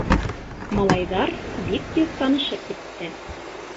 Малайҙар бик тиҙ танышып китте.